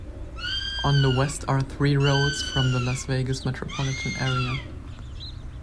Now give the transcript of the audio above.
On the west are three roads from the Las Vegas metropolitan area.